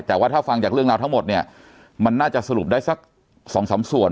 แต่ว่าถ้าฟังจากเรื่องราวทั้งหมดเนี่ยมันน่าจะสรุปได้สักสองสามส่วน